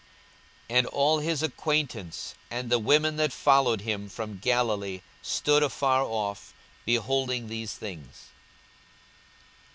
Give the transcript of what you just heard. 42:023:049 And all his acquaintance, and the women that followed him from Galilee, stood afar off, beholding these things.